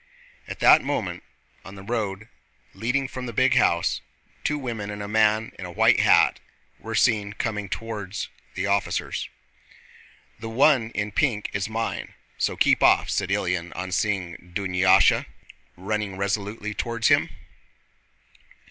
At that moment, on the road leading from the big house, two women and a man in a white hat were seen coming toward the officers. "The one in pink is mine, so keep off!" said Ilyín on seeing Dunyásha running resolutely toward him.